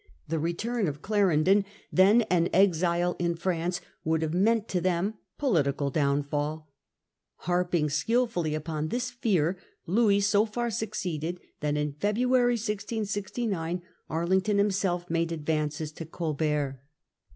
The return of Clarendon, then an exile in France, would have meant to them political downfall. Harping skilfully upon this fear, Louis so far succeeded, that in February, 166 9, Arlington himself made advances to Colbert.